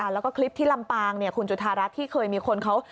แล้วก็คลิปที่ลำปางคุณจุธารัฐที่เคยมีคนเขา